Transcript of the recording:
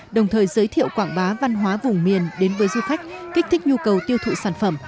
đồng thời giới thiệu quảng bá văn hóa vùng miền đến với du khách kích thích nhu cầu tiêu thụ sản phẩm